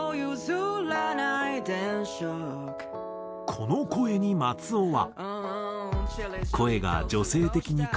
この声に松尾は。